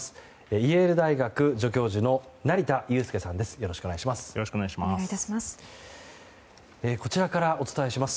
イェール大学助教授の成田悠輔さんです。